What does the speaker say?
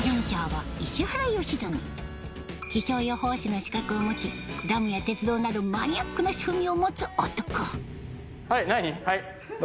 気象予報士の資格を持ちダムや鉄道などマニアックな趣味を持つ男